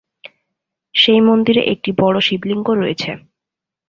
সেই মন্দিরে একটি বড়ো শিবলিঙ্গ রয়েছে।